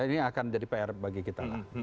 ini akan jadi pr bagi kita lah